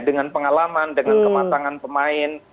dengan pengalaman dengan kematangan pemain